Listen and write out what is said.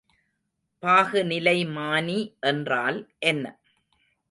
பாகுநிலைமானி என்றால் என்ன?